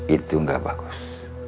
itu gak bagus